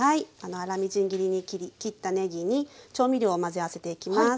粗みじん切りに切ったねぎに調味料を混ぜ合わせていきます。